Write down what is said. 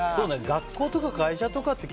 学校とか会社とかって